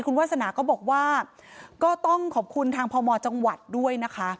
คุณวาสนาก็บอกว่าก็ต้องขอบคุณทางพมจังหวัดด้วยนะคะ